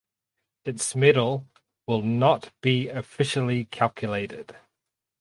Its medal will not be officially calculated.